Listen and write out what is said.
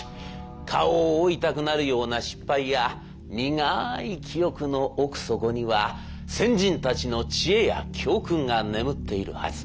顔を覆いたくなるような失敗や苦い記憶の奥底には先人たちの知恵や教訓が眠っているはず。